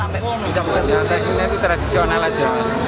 bisa buat jantai ini tradisional aja